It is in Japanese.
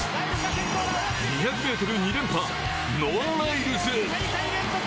２００ｍ２連覇、ノア・ライルズ。